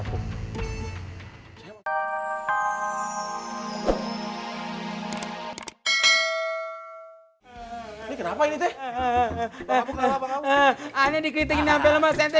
bagaimana kita bisa berhenti